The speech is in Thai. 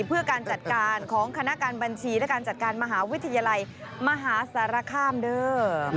เพื่อการจัดการของคณะการบัญชีและการจัดการมหาวิทยาลัยมหาสารคามเด้อ